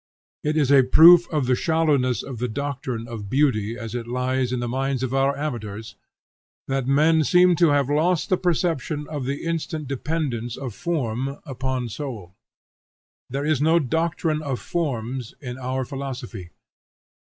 It is a proof of the shallowness of the doctrine of beauty as it lies in the minds of our amateurs, that men seem to have lost the perception of the instant dependence of form upon soul. There is no doctrine of forms in our philosophy.